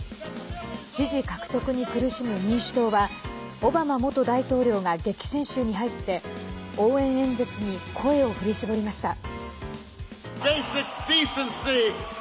支持獲得に苦しむ民主党はオバマ元大統領が激戦州に入って応援演説に声を振り絞りました。